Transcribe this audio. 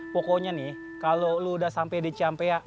pokoknya nih kalo lo udah sampe di cmpa